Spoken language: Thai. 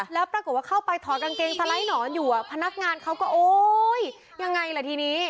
แล้วปรากฏว่าเข้าไปถอดกางเกงสไลด์หนอนอยู่พนักงานเขาก็โอ๊ยยังไงล่ะทีนี้